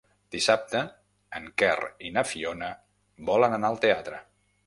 Dissabte en Quer i na Fiona volen anar al teatre.